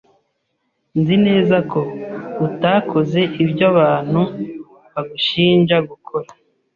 Nzi neza ko utakoze ibyo abantu bagushinja gukora.